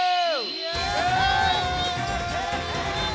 イエイ！